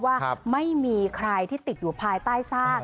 ว่าไม่มีใครที่ติดอยู่ภายใต้ซาก